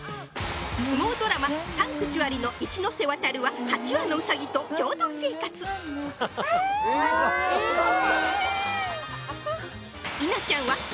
相撲ドラマ「サンクチュアリ」の一ノ瀬ワタルは８羽のうさぎと共同生活休日にほら